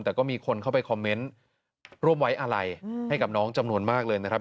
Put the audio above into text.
แต่ก็มีคนเข้าไปคอมเมนต์ร่วมไว้อะไรให้กับน้องจำนวนมากเลยนะครับ